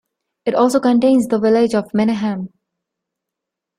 It also contains the village of Meneham.